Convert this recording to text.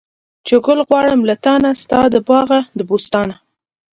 چې ګل غواړم له تانه، ستا د باغه د بوستانه